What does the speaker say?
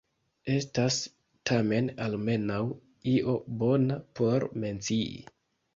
Estas tamen almenaŭ io bona por mencii.